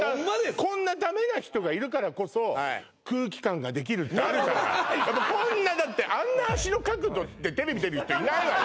こんなダメな人がいるからこそ空気感ができるってあるじゃないこんなだってあんな足の角度でテレビ出る人いないわよ